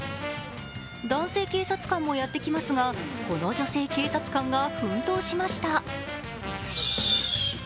男性警察官もやってきますがこの女性警察官が奮闘しました。